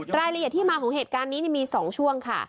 รายละเอียดที่มาของเหตุการณ์นี้มี๒ช่วงค่ะ